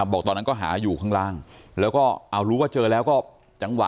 บอกตอนนั้นก็หาอยู่ข้างล่างแล้วก็เอารู้ว่าเจอแล้วก็จังหวะ